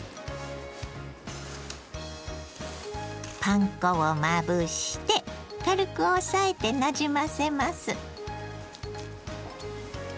パン粉をまぶして軽く押さえてなじませます。